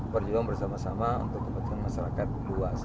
berjuang bersama sama untuk kepentingan masyarakat luas